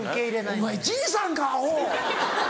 お前じいさんかアホ！